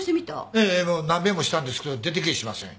ええもう何遍もしたんですけど出てきやしません。